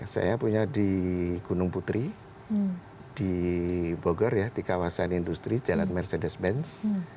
saya punya di gunung putri di bogor ya di kawasan industri jalan mercedes benz